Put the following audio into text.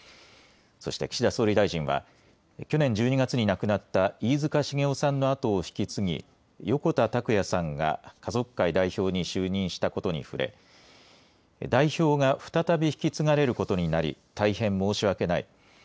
そして岸田総理大臣は、去年１２月に亡くなった飯塚繁雄さんの後を引き継ぎ、横田拓也さんが家族会代表に就任したことに触れ、代表が再び引き継がれることになり、大変申し訳ない。